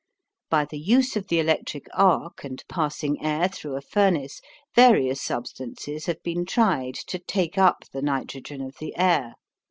By the use of the electric arc and passing air through a furnace, various substances have been tried to take up the nitrogen of the air.